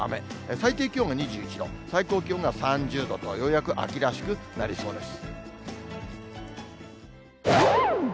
最低気温が２１度、最高気温が３０度と、ようやく秋らしくなりそうです。